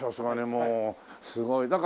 すごい。